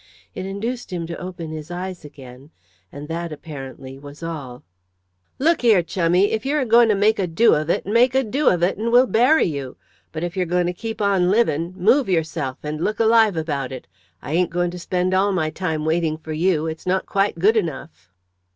It induced him to open his eyes again, and that, apparently, was all. "Look here, chummie, if you're a going to make a do of it, make a do of it, and we'll bury you. But if you're going to keep on living, move yourself, and look alive about it. I ain't going to spend all my time waiting for you it's not quite good enough."